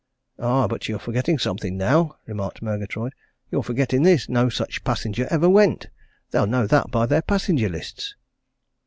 "Aye, but you're forgetting something now!" remarked Murgatroyd. "You're forgetting this no such passenger ever went! They'll know that by their passenger lists."